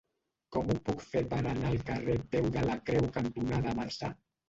Com ho puc fer per anar al carrer Peu de la Creu cantonada Marçà?